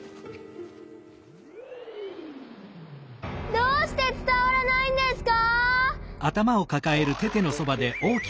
どうしてつたわらないんですか！？